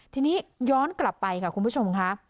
ทีนี้ย้อนกลับไปค่ะคุณผู้ชมค่ะ